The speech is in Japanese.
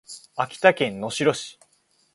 秋田県能代市